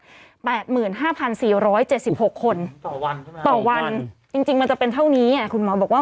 ต่อวันใช่ไหมครับต่อวันจริงมันจะเป็นเท่านี้คุณหมอบอกว่า